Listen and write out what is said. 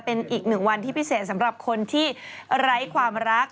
เป็นอีกหนึ่งวันที่พิเศษสำหรับคนที่ไร้ความรัก